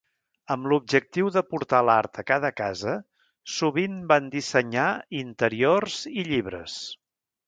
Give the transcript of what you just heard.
Amb l'objectiu de portar l'art a cada casa, sovint van dissenyar interiors i llibres.